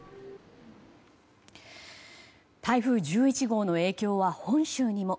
台風１１号の影響は本州にも。